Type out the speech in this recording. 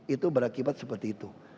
itu berakibat seperti itu